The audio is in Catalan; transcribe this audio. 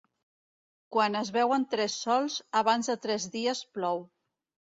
Quan es veuen tres sols, abans de tres dies plou.